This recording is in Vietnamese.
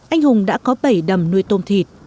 anh hùng đã có bảy đầm nuôi tôm thịt